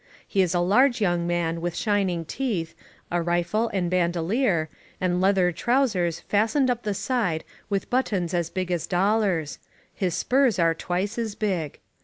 He is a large young man with shining teeth, a rifle and bandoUer, and leather trou sers fastened up the side with buttons as big as dol lars — ^his spurs are twice as big.